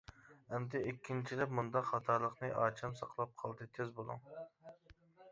ئەمدى ئىككىنچىلەپ مۇنداق خاتالىقنى. -ئاچام ساقلاپ قالدى، تىز بولۇڭ.